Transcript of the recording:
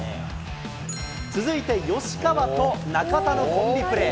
続いて吉川と中田のコンビプレー。